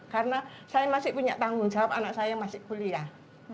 karena saya masih punya tanggung jawab anak saya yang masih kuliah